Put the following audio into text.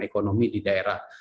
ekonomi di daerah daerah dan ini